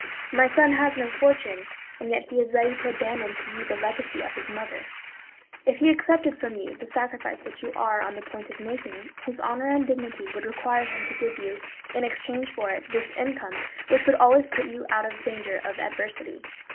My son has no fortune, and yet he is ready to abandon to you the legacy of his mother. If he accepted from you the sacrifice which you are on the point of making, his honour and dignity would require him to give you, in exchange for it, this income, which would always put you out of danger of adversity.